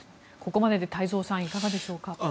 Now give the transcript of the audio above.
ここまでで太蔵さんいかがでしょうか。